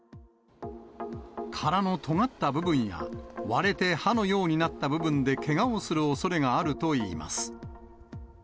殻のとがった部分や、割れて刃のようになった部分でけがをするおそれがあるといいます。